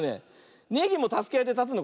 ネギもたすけあいでたつのかな。